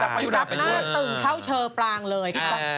ตั๊กหน้าตึงเท่าเชอปางเลย